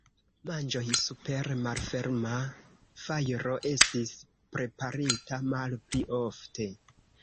Manĝoj super malferma fajro estis preparita malpli ofte.